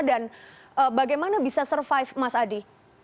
dan bagaimana bisa survive mas adi